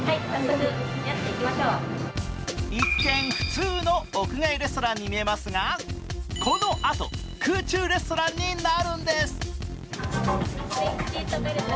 一見、普通の屋外レストランに見えますがこのあと、空中レストランになるんです。